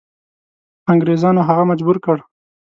انګریزانو هغه مجبور کړ.